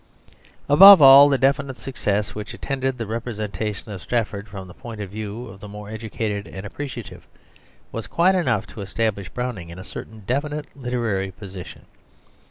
Above all, the definite success which attended the representation of Strafford from the point of view of the more educated and appreciative was quite enough to establish Browning in a certain definite literary position.